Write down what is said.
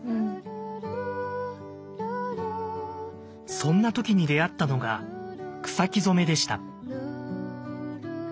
そんな時に出会ったのが草木染めでした。